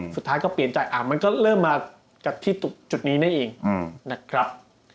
สุดท้ายก็เปลี่ยนใจมันก็เริ่มมาจากที่จุดนี้นั่นเองนะครับ